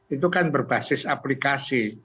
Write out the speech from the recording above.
itu kan berbasis aplikasi